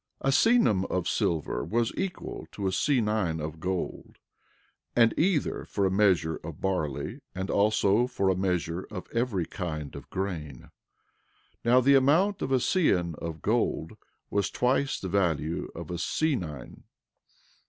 11:7 A senum of silver was equal to a senine of gold, and either for a measure of barley, and also for a measure of every kind of grain. 11:8 Now the amount of a seon of gold was twice the value of a senine.